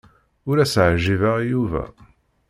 Ur as-ɛjibeɣ i Yuba.